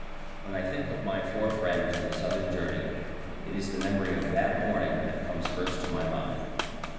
When I think of my four friends of the southern journey, it is the memory of that morning that comes first to my mind.